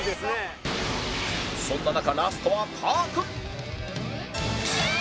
そんな中ラストはかーくん